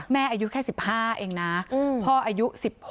อายุแค่๑๕เองนะพ่ออายุ๑๖